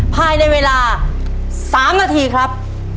ภายในเวลา๓นาทีครับ